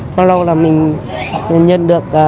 sau lâu là mình nhận được